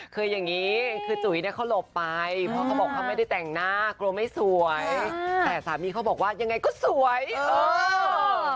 คืออย่างนี้คือจุ๋ยเนี่ยเขาหลบไปเพราะเขาบอกเขาไม่ได้แต่งหน้ากลัวไม่สวยแต่สามีเขาบอกว่ายังไงก็สวยเออ